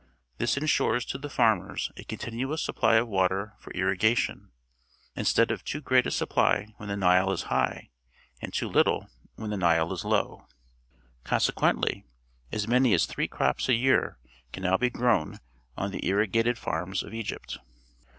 This en sures to the farmers a continuous supply of water for irrigation, instead of too great a supply when the Nile is liigh and too little when the Nile is low. Consequently, as many as three crops a year can now be grown on the irrigated farms of Egj'pt.